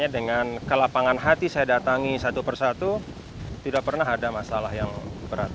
dengan kelapangan hati saya datangi satu persatu tidak pernah ada masalah yang berat